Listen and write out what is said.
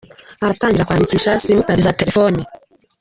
Haratangira kwandikisha simukadi za telefone